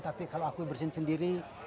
tapi kalau aku bersihin sendiri